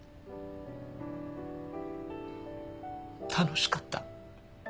楽しかった。